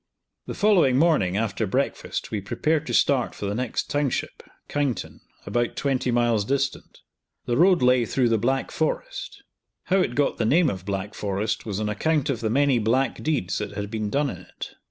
The following morning, after breakfast, we prepared to start for the next township, Kyneton, about 20 miles distant. The road lay through the Black Forest. How it got the name of Black Forest was on account of the many black deeds that had been done in it.